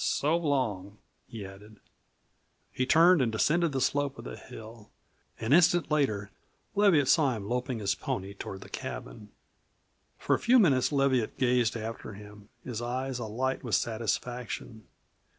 "So long," he added. He turned and descended the slope of the hill. An instant later Leviatt saw him loping his pony toward the cabin. For a few minutes Leviatt gazed after him, his eyes alight with satisfaction.